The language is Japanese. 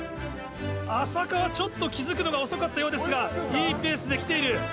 安積がちょっと気付くのが遅かったようですがいいペースで来ている。